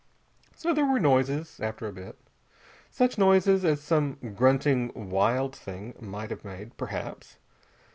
So there were noises, after a bit. Such noises as some grunting wild thing might have made, perhaps.